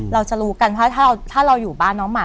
เราจะรู้กันถ้าเราอยู่บ้านน้องหมา